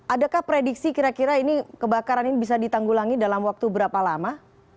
adakah prediksi kira kira ini kebakaran ini bisa ditanggulangi dalam waktu berapa lama